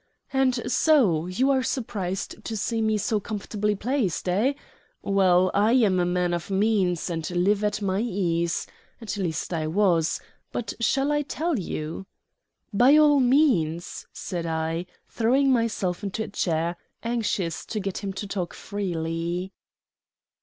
And so you are surprised to see me so comfortably placed, eh? Well, I am a man of means, and live at my ease at least I was. But shall I tell you?" "By all means," said I, throwing myself into a chair, anxious to get him to talk freely.